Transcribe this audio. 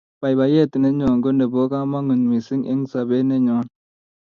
baibaiyet ne nyo ko nepo kamangut mising eg sabet nenyo